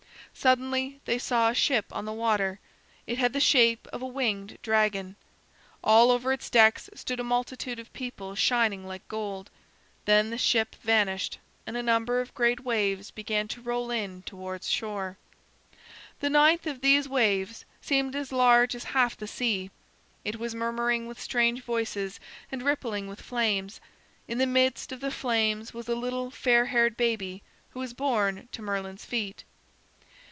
"Suddenly they saw a ship on the water. It had the shape of a winged dragon. All over its decks stood a multitude of people shining like gold. Then the ship vanished, and a number of great waves began to roll in towards shore. The ninth of these waves seemed as large as half the sea. It was murmuring with strange voices and rippling with flames. In the midst of the flames was a little fair haired baby who was borne to Merlin's feet.